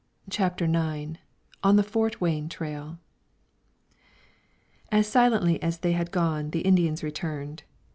CHAPTER IX ON THE FORT WAYNE TRAIL As silently as they had gone, the Indians returned.